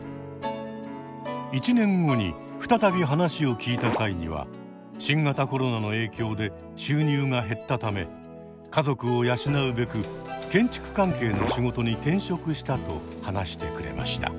１年後に再び話を聞いた際には新型コロナの影響で収入が減ったため家族を養うべく建築関係の仕事に転職したと話してくれました。